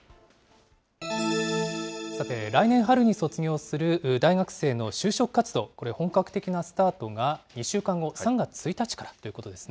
さて、来年春に卒業する大学生の就職活動、これ、本格的なスタートが２週間後、３月１日からということですね。